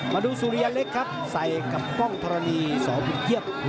มาดูสุริยเล็กครับใส่กับกล้องธรณีสวิงเทียบ